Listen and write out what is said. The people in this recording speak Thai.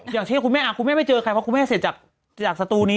อย่างเช่นคุณแม่คุณแม่ไม่เจอใครเพราะคุณแม่เสร็จจากสตูนี้